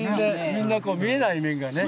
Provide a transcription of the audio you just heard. みんな見えない面がね。